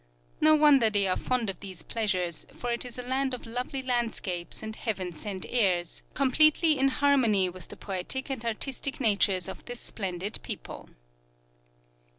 No wonder they are fond of these pleasures, for it is a land of lovely landscapes and heaven sent airs, completely in harmony with the poetic and artistic natures of this splendid people.